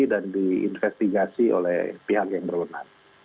dan diinvestigasi oleh pihak yang berleman